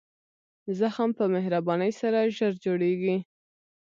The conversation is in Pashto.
زخم په مهربانۍ سره ژر جوړېږي.